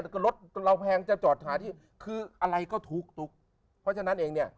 ที่รถเราแพงหาที่คืออะไรก็ทุกข์ตุ้นเพราะฉะนั้นเองเนี่ย